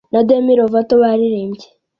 na Demi Lovato baririmbye